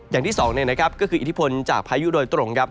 อย่างที่สองก็คืออิทธิพลจากพายุโดยตรงครับ